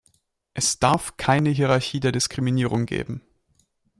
Es darf keine Hierarchie der Diskriminierung geben.